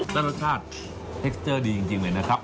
แล้วรสชาติเทคเจอร์ดีจริงเลยนะครับ